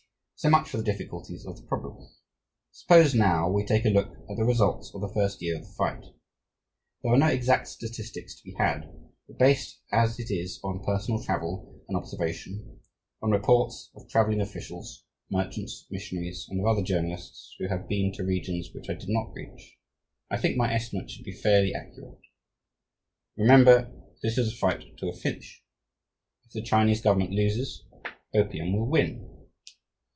So much for the difficulties of the problem. Suppose now we take a look at the results of the first year of the fight. There are no exact statistics to be had, but based as it is on personal travel and observation, on reports of travelling officials, merchants, missionaries, and of other journalists who have been in regions which I did not reach, I think my estimate should be fairly accurate. Remember, this is a fight to a finish. If the Chinese government loses, opium will win.